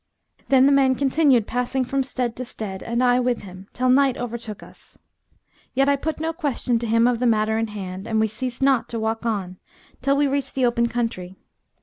Then the man continued passing from stead to stead (and I with him) till night overtook us. Yet I put no question to him of the matter in hand and we ceased not to walk on, till we reached the open country.